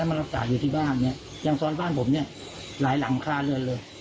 มารักษาอยู่ที่บ้านเนี่ยอย่างซอยบ้านผมเนี่ยหลายหลังคาเรือนเลย